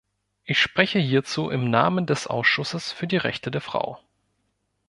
Ich spreche hierzu im Namen des Ausschusses für die Rechte der Frau.